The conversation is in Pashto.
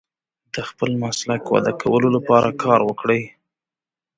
د خپل مسلک وده کولو لپاره کار وکړئ.